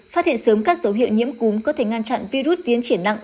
phát hiện sớm các dấu hiệu nhiễm cúm có thể ngăn chặn virus tiến triển nặng